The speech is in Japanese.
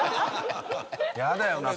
やだよな。